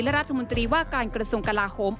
และรัฐมนตรีว่าการกระทรวงกลาโหม